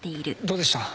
どうでした？